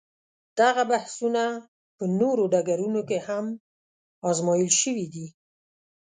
دغه بحثونه په نورو ډګرونو کې هم ازمویل شوي دي.